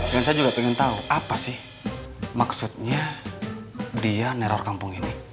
dan saya juga pengen tahu apa sih maksudnya dia neror kampung ini